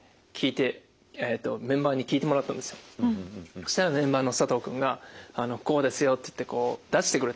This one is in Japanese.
そしたらメンバーの佐藤君がこうですよって出してくれたんですよ。